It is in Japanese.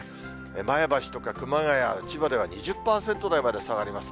前橋とか熊谷、千葉では２０％台まで下がります。